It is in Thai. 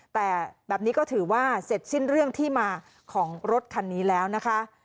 แต่แบบนี้ก็ถือว่าเสร็จสิ้นเรื่องที่มาของรถคันนี้แล้วนะคะ